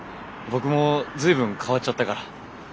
僕も随分変わっちゃったから。